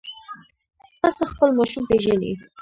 پسه خپل ماشوم پېژني.